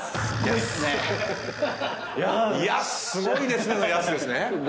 「いやすごいですね」の「いやっす」ですね。